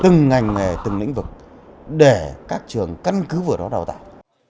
từng ngành nghề từng lĩnh vực để các trường căn cứ vào đó đào tạo